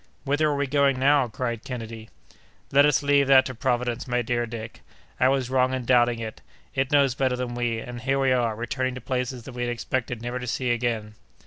"Whither are we going now?" cried Kennedy. "Let us leave that to Providence, my dear Dick; I was wrong in doubting it. It knows better than we, and here we are, returning to places that we had expected never to see again!"